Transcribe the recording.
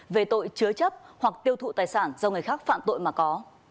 về tội chứa chấp hoặc tiêu thụ tài sản do người khác phạm tội mà có